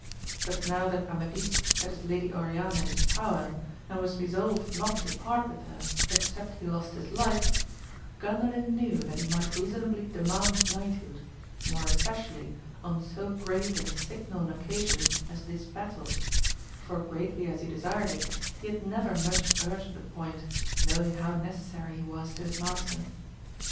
But now that Amadis had his Lady Oriana in his power, and was resolved j not to part with her except he lost his life, Gandalin ' knew that he might reasonably demand knighthood, ^ more especially on so great and signal an occasion as this battle ; for greatly as he desired it, he had never much urged the point, knowing how necessary he was to his master.